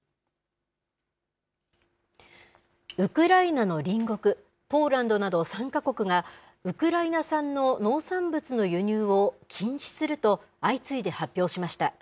ウクライナの隣国、ポーランドなど３か国が、ウクライナ産の農産物の輸入を禁止すると相次いで発表しました。